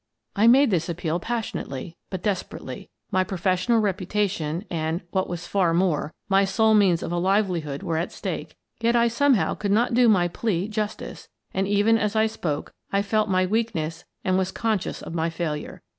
I made this appeal passionately, but desperately. My professional reputation and — what was far more — my sole means of a livelihood were at stake. Yet I somehow could not do my plea jus tice, and, even as I spoke, I felt my weakness and was conscious of my failure.